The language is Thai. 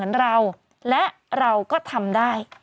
เราและเราก็ทำได้